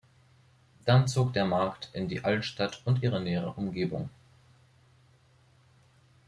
Dann zog der Markt in die Altstadt und ihre nähere Umgebung.